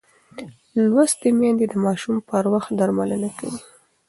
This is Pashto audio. لوستې میندې د ماشوم پر وخت درملنه کوي.